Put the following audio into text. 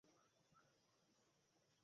Ahmad Shakir এটি সংশোধন করেছেন।